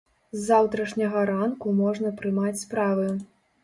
З заўтрашняга ранку можна прымаць справы.